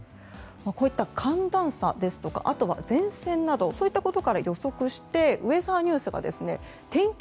こういった寒暖差ですとかあとは前線などそういったことから予測してウェザーニュースが天気